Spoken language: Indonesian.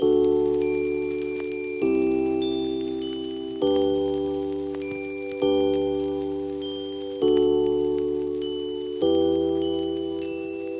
ke bez machsttoh jadi bug